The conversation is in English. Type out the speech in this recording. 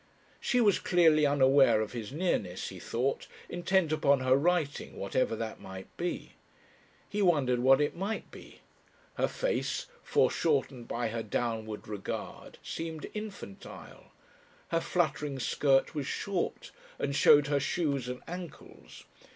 She was clearly unaware of his nearness, he thought, intent upon her writing, whatever that might be. He wondered what it might be. Her face, foreshortened by her downward regard, seemed infantile. Her fluttering skirt was short, and showed her shoes and ankles.